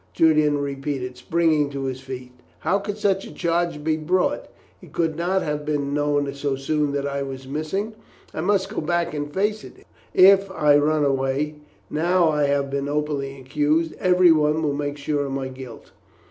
Julian repeated, springing to his feet. "How could such a charge be brought? It could not have been known so soon that I was missing. I must go back and face it. If I run away, now I have been openly accused, everyone will make sure of my guilt."